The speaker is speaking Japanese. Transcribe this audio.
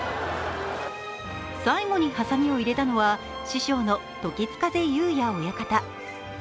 最後にはさみを入れたのは師匠の時津風祐哉親方。